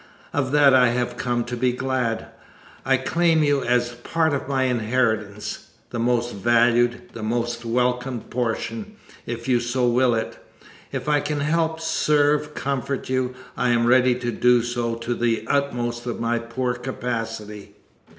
Of that I have come to be glad. I claim you as part of my inheritance the most valued, the most welcome portion, if you so will it. If I can help, serve, comfort you, I am ready to do so to the utmost of my poor capacity."